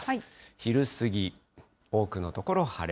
昼過ぎ、多くの所、晴れ。